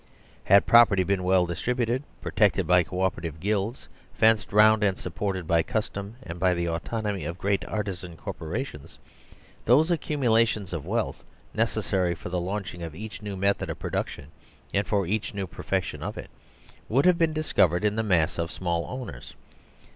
Had property been well distributed, protected by co operative guilds fenced round and supported by custom and by the autonomy of great artisan corporations, those accumulations of wealth, necessary for the launching of each new me thod of production and for each new perfection of it, would have been discovered in the mass of small own ers.